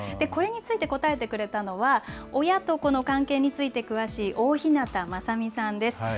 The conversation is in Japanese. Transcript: これについて答えてくれたのは、親と子の関係について詳しい大日向雅美さんです。